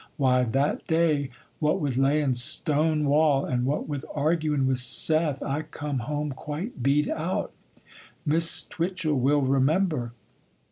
Why, that day, what with layin' stone wall and what with arguin' with Seth, I come home quite beat out,—Miss Twitchel will remember.